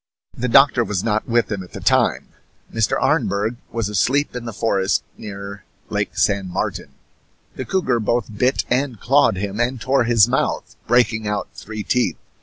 The doctor was not with him at the time. Mr. Arneberg was asleep in the forest near Lake San Martin. The cougar both bit and clawed him, and tore his mouth, breaking out three teeth.